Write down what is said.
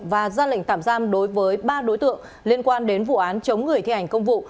và ra lệnh tạm giam đối với ba đối tượng liên quan đến vụ án chống người thi hành công vụ